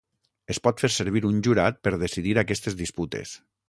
Es pot fer servir un jurat per decidir aquestes disputes.